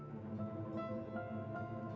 ada apa dia